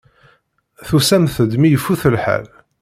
Tusamt-d mi ifut lḥal.